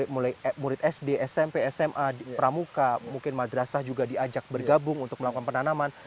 mulai murid sd smp sma pramuka mungkin madrasah juga diajak bergabung untuk melakukan penanaman